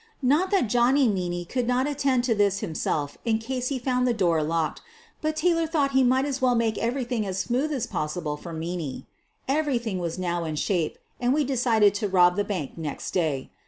Not that Johnny) Meaney could not attend to this himself in case he ( found the door locked, but Taylor thought he might as well make everything as smooth as possible for "Meaney. Everything was now in shape, and we decided to QUEEN OF THE BURGLABS 33 rob the bank next day.